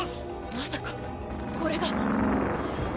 「まさかこれが」